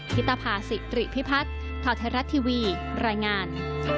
คิตภาษิตริพิพัฒน์ถอดเทศรัตน์ทีวีรายงาน